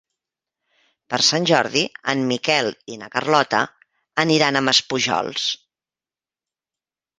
Per Sant Jordi en Miquel i na Carlota aniran a Maspujols.